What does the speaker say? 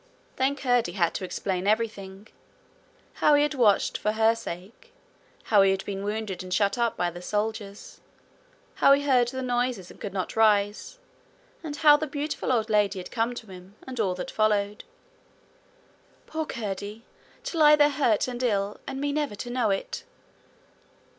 Then Curdie had to explain everything how he had watched for her sake, how he had been wounded and shut up by the soldiers, how he heard the noises and could not rise, and how the beautiful old lady had come to him, and all that followed. 'Poor Curdie! to lie there hurt and ill, and me never to know it!'